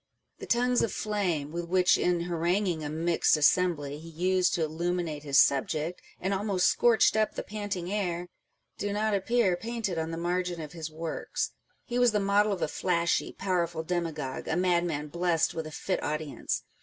The tongues of flame, with which, in haranguing a mixed assembly, he used to illuminate his subject, and almost scorched up the panting air, do not appear painted on the margin of his works. He was the model of a flashy, powerful demagogueâ€" a madman blest with a fit audience.